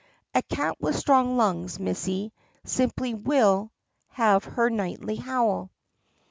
"A cat with strong lungs, missy, simply will have her nightly howl."